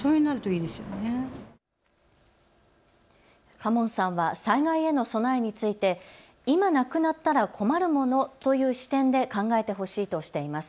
かもんさんは災害への備えについて、今なくなったら困るものという視点で考えてほしいとしています。